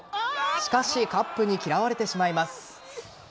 しかしカップに嫌われてしまいます。